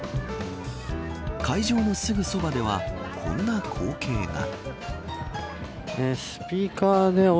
会場のすぐそばではこんな光景が。